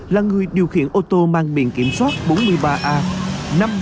là người điều khiển ô tô mang miệng kiểm soát bốn mươi ba a